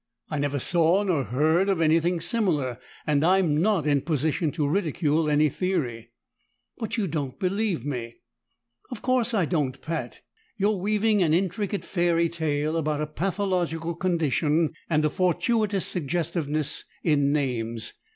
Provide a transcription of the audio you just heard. I never saw nor heard of anything similar, and I'm not in position to ridicule any theory." "But you don't believe me." "Of course I don't, Pat. You're weaving an intricate fairy tale about a pathological condition and a fortuitous suggestiveness in names.